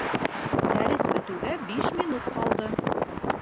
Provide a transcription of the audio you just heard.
Дәрес бөтөүгә биш минут ҡалды